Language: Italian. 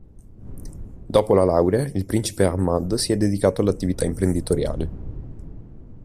Dopo la laurea, il principe Aḥmad si è dedicato all'attività imprenditoriale.